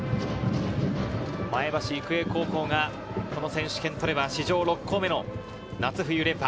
前橋育英高校がこの選手権取れば史上６校目の夏冬連覇。